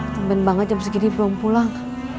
temen banget jam segini pulang pulang